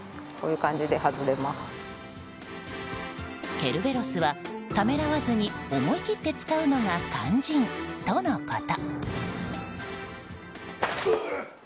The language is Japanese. ケルベロスはためらわずに思い切って使うのが肝心とのこと。